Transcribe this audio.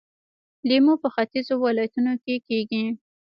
لیمو په ختیځو ولایتونو کې کیږي.